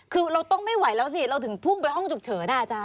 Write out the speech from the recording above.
คือเราต้องไม่ไหวแล้วสิเราถึงพุ่งไปห้องฉุกเฉินอ่ะอาจารย